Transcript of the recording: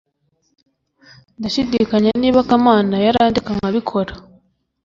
ndashidikanya niba kamana yarandeka nkabikora